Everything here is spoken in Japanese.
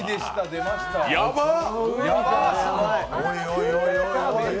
やばっ！